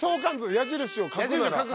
矢印を書くなら。